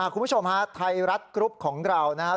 คุณผู้ชมฮะไทยรัฐกรุ๊ปของเรานะครับ